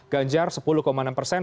ganjar sepuluh enam persen